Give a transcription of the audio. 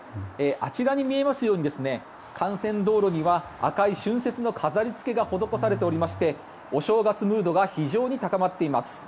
あちらに見えますように幹線道路には赤い春節の飾りつけが施されておりましてお正月ムードが非常に高まっています。